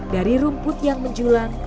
dari rumput yang menjulang